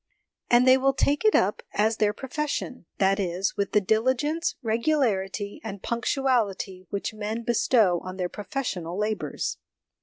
And they will take it up as their profession that is, with the SOME PRELIMINARY CONSIDERATIONS 3 diligence, regularity, and punctuality which men bestow on their professional labours.